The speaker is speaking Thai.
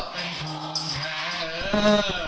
เป็นภูมิแพ้